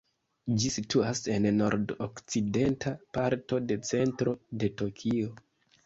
Ĝi situas en nord-okcidenta parto de centro de Tokio.